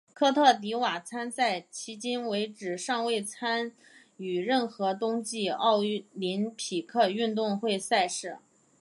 科特迪瓦参赛迄今尚未参与任何冬季奥林匹克运动会赛事。